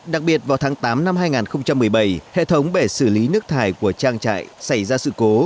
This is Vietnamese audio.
đặc biệt vào tháng tám năm hai nghìn một mươi bảy hệ thống bể xử lý nước thải của trang trại xảy ra sự cố